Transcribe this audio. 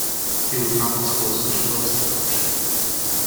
He would not disclose which clubs had approached him.